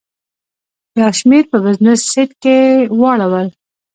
یو شمېر په بزنس سیټ کې واړول.